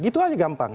gitu aja gampang